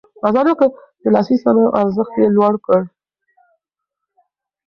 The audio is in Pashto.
د لاس صنايعو ارزښت يې لوړ کړ.